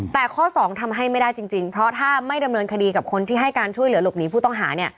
แต่ข้อสองทำให้ไม่ได้จริงเพราะถ้าไม่ดำเนินคดีกับคนที่ให้การช่วยเหลือหลบหนีผู้ต้องหา